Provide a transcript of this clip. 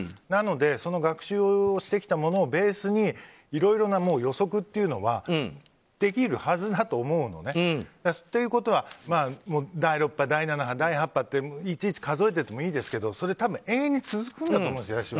なので、その学習をしてきたものをベースにいろいろな予測というのはできるはずだと思うのね。ということは第６波、第７波、第８波っていちいち数えてもいいですけどそれは永遠に続くんだと思うんです。